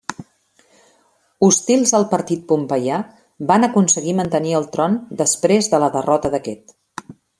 Hostils al partit pompeià, van aconseguir mantenir el tron després de la derrota d'aquest.